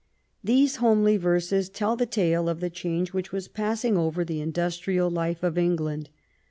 These homely verses tell the tale of the change which was passing over the industrial life of England.